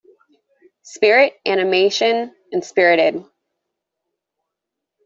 Spirit animation Spirited.